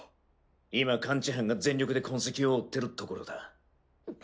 今感知班が全力で痕跡を追ってるところだ。